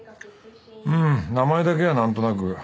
うん名前だけはなんとなく。